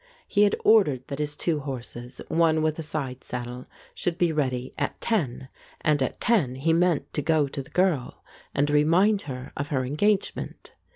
He had ordered that his two horses, one with a side saddle, should be ready at ten, and at ten he meant to go to the girl and remind her of her engagement.